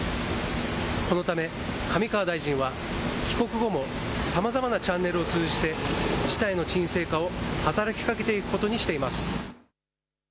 このため、上川大臣は帰国後も、さまざまなチャンネルを通じて、事態の沈静化を働きかけていくこ